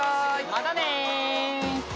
またね。